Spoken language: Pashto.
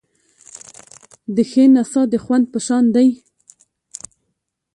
د ښې نڅا د خوند په شان دی.